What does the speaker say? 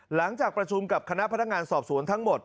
หลังจากประชุมกับคณะพนักงานสอบสวนทั้งหมด